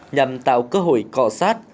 nhằm tạo cơ hội cọ sát